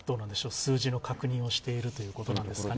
数字の確認をしているということなんですかね。